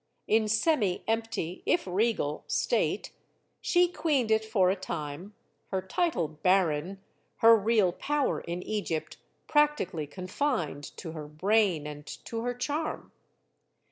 In semi empty, if regal, state, she queened it for a time, her title barren, her real power in Egypt practically confined to her brain and to her charm.